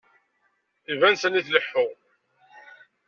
Iban sani tleḥḥu.